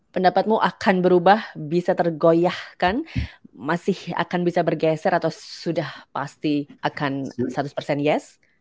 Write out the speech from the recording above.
pendapatmu akan berubah bisa tergoyahkan masih akan bisa bergeser atau sudah pasti akan seratus persen yes